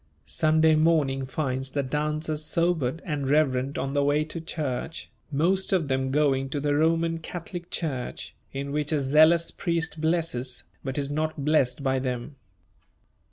] Sunday morning finds the dancers sobered and reverent on the way to church, most of them going to the Roman Catholic church, in which a zealous priest blesses, but is not blessed by them.